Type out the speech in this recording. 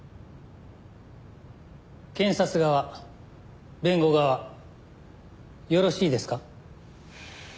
検察側弁護側よろしいですか？